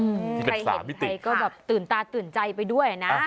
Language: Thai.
ใครเห็นใครก็แบบตื่นตาตื่นใจไปด้วยนะ